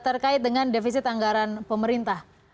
terkait dengan defisit anggaran pemerintah